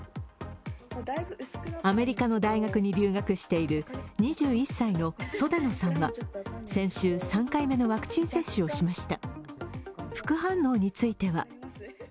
アメリカの大学に留学している２１歳の袖野さんは先週、３回目のワクチン接種をしました。